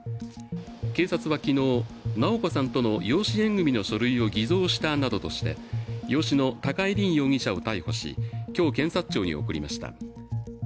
警察は昨日、直子さんとの養子縁組の書類を偽造したなどとして、養子の高井凜容疑者を逮捕し、今日、検察庁に送りました。